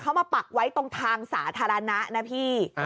เขามาปักไว้ตรงทางสาธารณะนะพี่